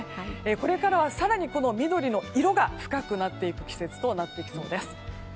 これからは更に緑の色が深くなっていく季節となりそうです。